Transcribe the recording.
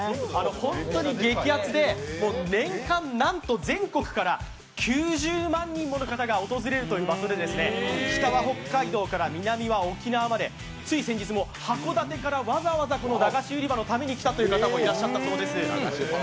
本当に激アツで、年間なんと全国から９０万人もの方から訪れるという場所で、北は北海道から南は沖縄までつい先日も函館からわざわざこの駄菓子売り場のために来たという方もいらっしゃったそうです。